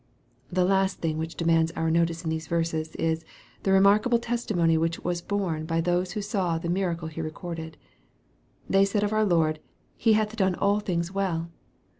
The last thing which demands our notice in these verses., is the remarkable testimony which was borne by those who saw the miracle here recorded. They said of our Lord, " He hath done all things well